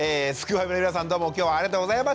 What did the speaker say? ファミの皆さんどうも今日はありがとうございました！